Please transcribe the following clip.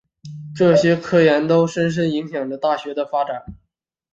这些科研都深深影响着大学的发展。